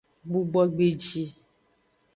Gbugbogbeji.